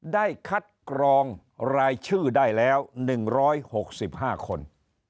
ได้คัดกรองรายชื่อได้แล้ว๑๖๕คน